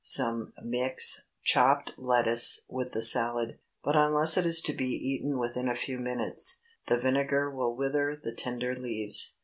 Some mix chopped lettuce with the salad; but unless it is to be eaten within a few minutes, the vinegar will wither the tender leaves.